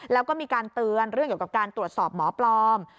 แล้วก็มีการเตือนเรื่องเกี่ยวกับการตรวจสอบหมอปลอม